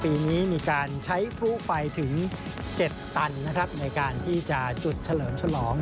ปีนี้มีการใช้พลุไฟถึง๗ตันนะครับในการที่จะจุดเฉลิมฉลอง